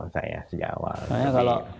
saya sejak awal